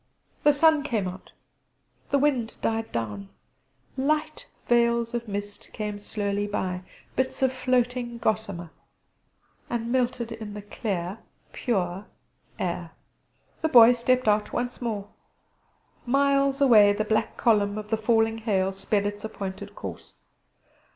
The sun came out; the wind died down; light veils of mist came slowly by bits of floating gossamer and melted in the clear, pure air. The Boy stepped out once more. Miles away the black column of the falling hail sped its appointed course.